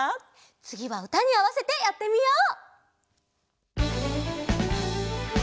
つぎはうたにあわせてやってみよう！